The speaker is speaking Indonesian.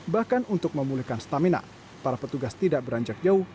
bahkan untuk memulihkan stamina para petugas tidak beranjak jauh